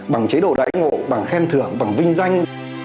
bằng chế độ đại ngộ bằng khen thưởng bằng vinh danh